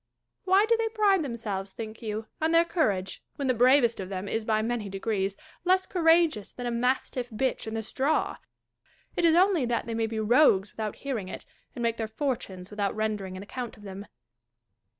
Why do they pride them selves, think you, on their courage, when the bravest of them is by many degrees less courageous than a mastifi" bitch in the straw ? It is only that they may be rogues without hearing it, and make their fortunes without render ing an account of them.